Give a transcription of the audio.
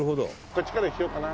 「こっちからにしようかな。